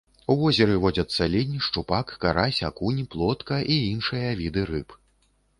У возеры водзяцца лінь, шчупак, карась, акунь, плотка і іншыя віды рыб.